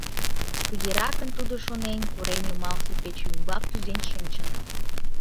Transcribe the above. Тыгеракын тудо шонен, корем йымалсе пече ӱмбак кӱзен шинчын.